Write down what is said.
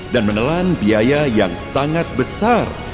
dan menelan biaya yang sangat besar